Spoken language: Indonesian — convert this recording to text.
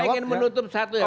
saya ingin menutup satu ya